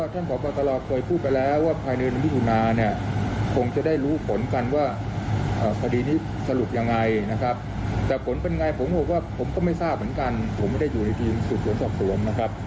แต่ผลเป็นไงผมบอกว่าผมก็ไม่ทราบเหมือนกันผมไม่ได้อยู่ในทีมสู่ส่วนส่อมส่วน